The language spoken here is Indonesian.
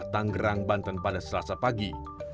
tanggerang banten pada selasa pagi